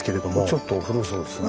ちょっと古そうですね。